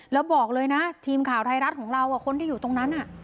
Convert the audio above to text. แล้วบอกเลยนะทีมข่าวไทยรัฐของเราคนที่อยู่ตรงนั้น